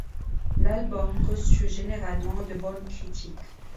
L'album reçu généralement de bonnes critiques.